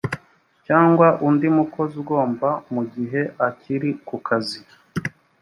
cyangwa undi mukozi ugomba mu gihe akiri ku kazi